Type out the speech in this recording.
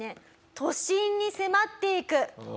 都心に迫っていく。